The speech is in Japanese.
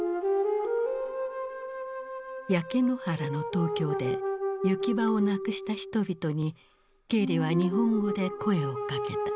焼け野原の東京で行き場をなくした人々にケーリは日本語で声をかけた。